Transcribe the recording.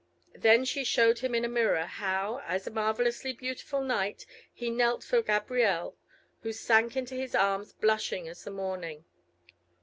Then she showed him in a mirror, how, as a marvellously beautiful knight, he knelt before Gabrielle, who sank into his arms blushing as the morning.